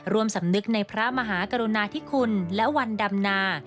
สำนึกในพระมหากรุณาธิคุณและวันดำนา